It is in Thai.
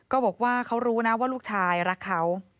บอกว่าเขารู้นะว่าลูกชายรักเขา